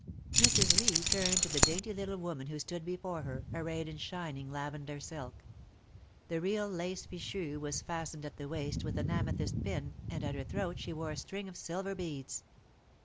Mrs. Lee turned to the dainty little woman who stood before her, arrayed in shining lavender silk. The real lace fichu was fastened at the waist with an amethyst pin and at her throat she wore a string of silver beads.